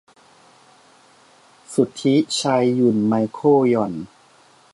สุทธิชัย หยุ่น ไมเคิล หย่อน